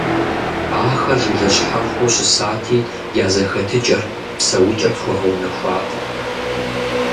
Ахэр жылэ щхьэхуэу щысати, я зэхэтыкӀэр, псэукӀэр тхуэгъэунэхуакъым.